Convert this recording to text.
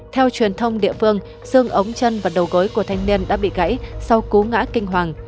theo truyền thông địa phương xương ống chân và đầu gối của thanh niên đã bị gãy sau cú ngã kinh hoàng